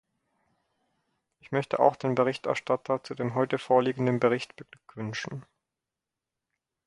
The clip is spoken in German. Ich möchte auch den Berichterstatter zu dem heute vorliegenden Bericht beglückwünschen.